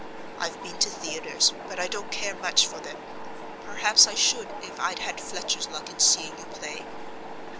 I've been to theatres, but I don't care much for them. Perhaps I should if I'd had Fletcher's luck in seeing you play."